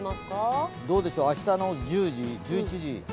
どうでしょう、明日の１０時、１１時。